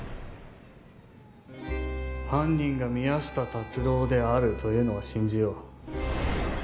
犯人が宮下達朗であるというのは信じよう。